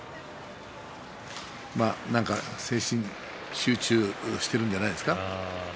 なんか精神集中しているんじゃないですか。